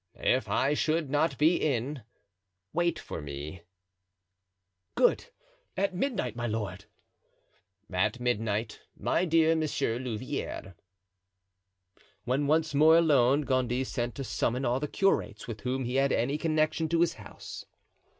"If I should not be in, wait for me." "Good! at midnight, my lord." "At midnight, my dear Monsieur Louvieres." When once more alone Gondy sent to summon all the curates with whom he had any connection to his house.